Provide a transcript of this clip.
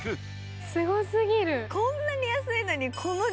すごすぎる。